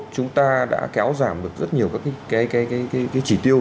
chúng ta đã kéo giảm được rất nhiều các chỉ tiêu